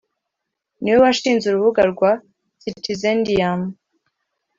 ni nawe washinze urubuga rwa Citizendium